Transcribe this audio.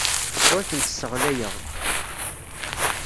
Ur tent-sseɣlayeɣ.